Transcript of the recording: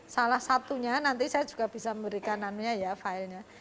salah satunya nanti saya juga bisa memberikan nanya ya file nya